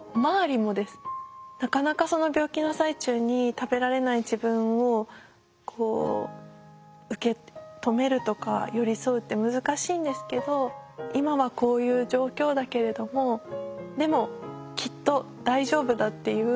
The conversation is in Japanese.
なかなかその病気の最中に食べられない自分を受け止めるとか寄り添うって難しいんですけど今はこういう状況だけれどもでもきっと大丈夫だっていう